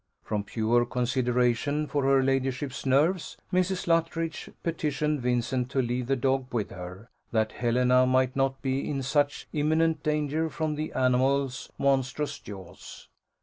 From pure consideration for her ladyship's nerves, Mrs. Luttridge petitioned Vincent to leave the dog with her, that Helena might not be in such imminent danger from "the animal's monstrous jaws."